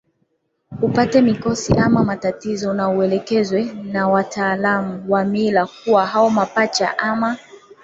upate mikosi ama matatizo na uelekezwe na wataalamu wa mila kuwa hao mapacha ama